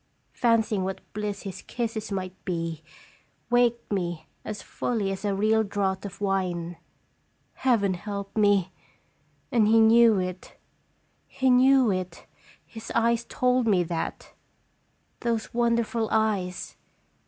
Fancy ing what bliss his kisses might be, waked me as fully as a real draught of wine. Heaven help me! And he knew it he knew it; his eyes told me that. Those wonderful eyes!